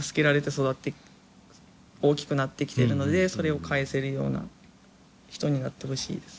育って大きくなってきてるのでそれを返せるような人になってほしいです。